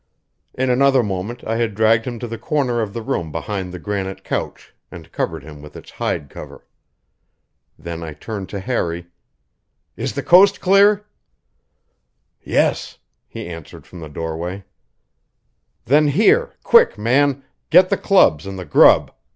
In another moment I had dragged him to the corner of the room behind the granite couch and covered him with its hide cover. Then I turned to Harry: "Is the coast clear?" "Yes," he answered from the doorway. "Then here quick, man! Get the clubs and the grub.